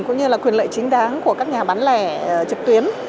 cũng như là quyền lợi chính đáng của các nhà bán lẻ trực tuyến